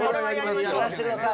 やらしてください。